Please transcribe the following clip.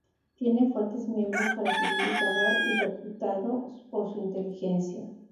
Tiene fuertes miembros para subir y cavar, y reputado por su inteligencia.